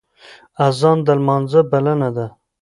اذان د لمانځه بلنه ده